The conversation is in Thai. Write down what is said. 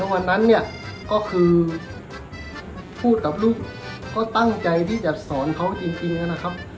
วันนั้นก็คือพูดกับลูกก็ตั้งใจที่จะสอนจริงนะครับ